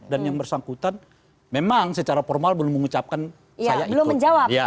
dan yang bersangkutan memang secara formal belum mengucapkan saya ikut